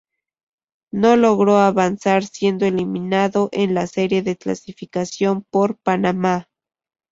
No logró avanzar siendo eliminado en la serie de clasificación por Panamá.